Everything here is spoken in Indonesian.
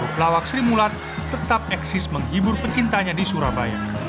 pelawak sri mulat tetap eksis menghibur pecintanya di surabaya